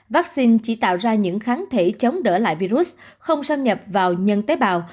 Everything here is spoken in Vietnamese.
vắc xin chỉ tạo ra những kháng thể chống đỡ lại virus không xâm nhập vào nhân tế bào